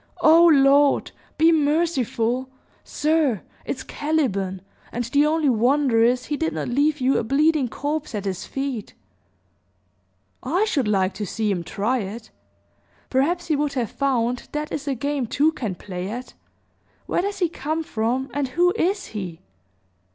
"O Lord! be merciful! sir, it's Caliban; and the only wonder is, he did not leave you a bleeding corpse at his feet!" "I should like to see him try it. Perhaps he would have found that is a game two can play at! Where does he come from and who is he!"